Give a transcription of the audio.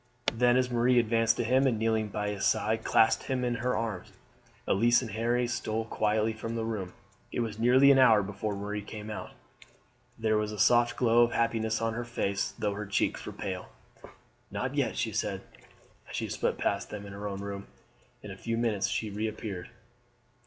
Then, as Marie advanced to him, and kneeling by his side, clasped him in her arms, Elise and Harry stole quietly from the room. It was nearly an hour before Marie came out. There was a soft glow of happiness on her face, though her cheeks were pale. "Not yet!" she said, as she swept past them into her own room. In a few minutes she reappeared.